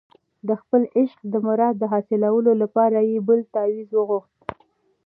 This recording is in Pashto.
د خپل عشق د مراد د حاصلولو لپاره یې بل تاویز وغوښت.